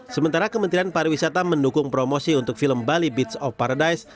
sementara kementerian pariwisata mendukung promosi untuk film bali beats of paradise